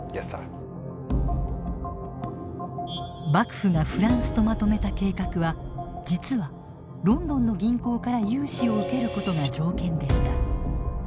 幕府がフランスとまとめた計画は実はロンドンの銀行から融資を受けることが条件でした。